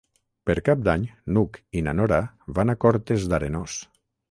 Per Cap d'Any n'Hug i na Nora van a Cortes d'Arenós.